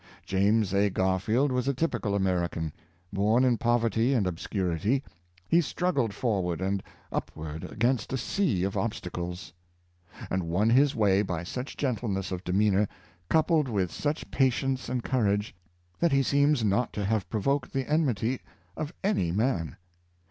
James A. Garfield was a typical Ameri can. Born in poverty and obscurity, he struggled for ward and upward against a sea of obstacles, and won his way by such gentleness of demeanor, coupled with such patience and courage, that he seems not to have provoked the enmity of any man.